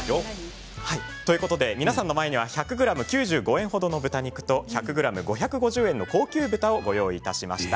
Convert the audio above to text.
皆さんの前には１００ｇ９５円程の豚肉と１００ｇ５５０円の高級豚をご用意しました。